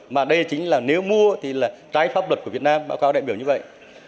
mà đây chính là nếu mua thì là trái pháp luật của việt nam báo cáo đại biểu như vậy